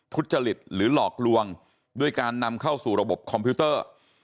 ทุจริตหรือหลอกลวงด้วยการนำเข้าสู่ระบบคอมพิวเตอร์